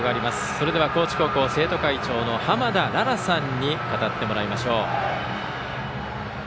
それでは高知高校生徒会長の濱田良々さんに語ってもらいましょう。